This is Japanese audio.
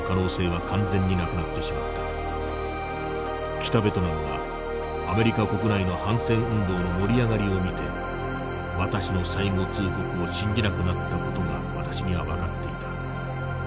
北ベトナムがアメリカ国内の反戦運動の盛り上がりを見て私の最後通告を信じなくなった事が私には分かっていた。